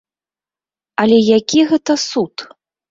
Але які гэта суд?